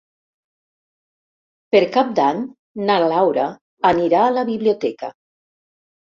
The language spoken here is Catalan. Per Cap d'Any na Laura anirà a la biblioteca.